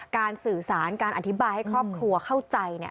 สื่อสารการอธิบายให้ครอบครัวเข้าใจ